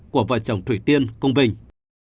của vợ chồng thủy tiên công vinh